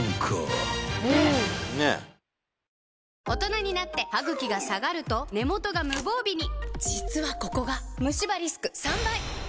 大人になってハグキが下がると根元が無防備に実はここがムシ歯リスク３倍！